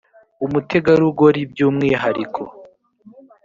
umutegerugori by’umwihariko